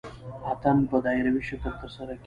اتن په دایروي شکل ترسره کیږي.